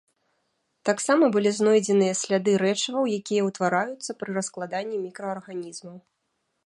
Таксама былі знойдзеныя сляды рэчываў, якія ўтвараюцца пры раскладанні мікраарганізмаў.